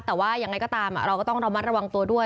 แต่ว่ายังไงก็ตามเราก็ต้องระมัดระวังตัวด้วย